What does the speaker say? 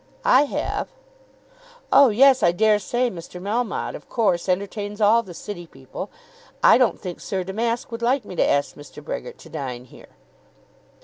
"I have." "Oh, yes, I dare say. Mr. Melmotte, of course, entertains all the City people. I don't think Sir Damask would like me to ask Mr. Brehgert to dine here."